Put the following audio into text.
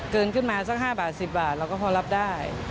เกินขึ้นมาสัก๕๑๐บาทเราก็พอรับได้